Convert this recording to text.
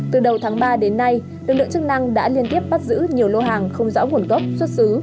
từ đầu tháng ba đến nay lực lượng chức năng đã liên tiếp bắt giữ nhiều lô hàng không rõ nguồn gốc xuất xứ